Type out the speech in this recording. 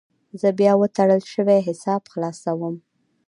زه بیا وتړل شوی حساب خلاصوم.